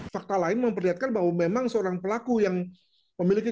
fakta lain memperlihatkan bahwa memang seorang pelaku yang memiliki